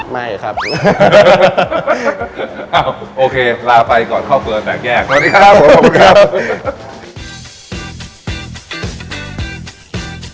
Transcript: หยุดวันอาทิตย์๑วัน